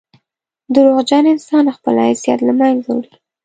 • دروغجن انسان خپل حیثیت له منځه وړي.